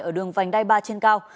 ở đường vành đai ba trên cao